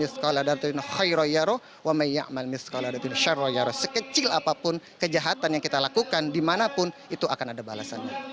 sekecil apapun kejahatan yang kita lakukan dimanapun itu akan ada balasannya